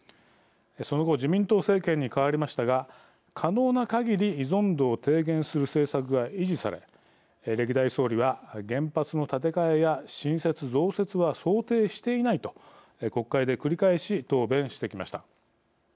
その後、自民党政権に変わりましたが可能なかぎり依存度を低減する政策が維持され歴代総理は「原発の建て替えや新設増設は想定していない」と国会で繰り返し答弁してきました。